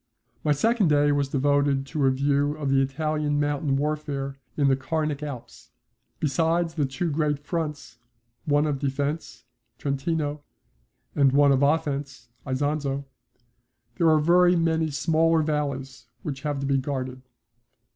My second day was devoted to a view of the Italian mountain warfare in the Carnic Alps. Besides the two great fronts, one of defence (Trentino) and one of offence (Isonzo), there are very many smaller valleys which have to be guarded.